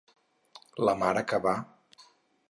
La mare que va!